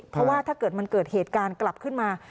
เพราะว่าถ้าเกิดมันเกิดเหตุการณ์กลับขึ้นมา